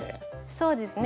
そうですね。